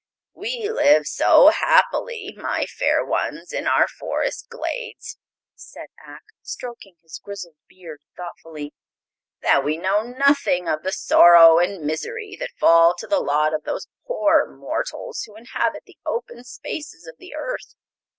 "We live so happily, my fair ones, in our forest glades," said Ak, stroking his grizzled beard thoughtfully, "that we know nothing of the sorrow and misery that fall to the lot of those poor mortals who inhabit the open spaces of the earth.